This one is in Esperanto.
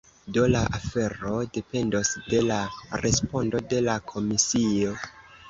Do la afero dependos de la respondo de la komisio.